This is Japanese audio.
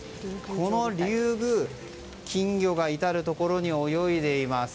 この龍宮、金魚が至るところに泳いでいます。